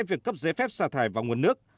việc cấp giấy phép xả thải vào nguồn nước